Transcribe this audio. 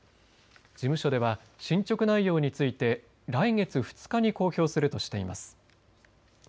事務所では進捗内容について来月２日に公表するとしています。